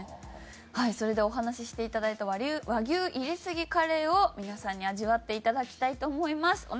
はいそれではお話しして頂いた和牛入れすぎカレーを皆さんに味わって頂きたいと思います。